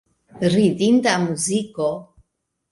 Ridinda muziko.